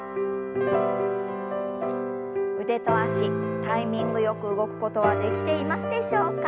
腕と脚タイミングよく動くことはできていますでしょうか。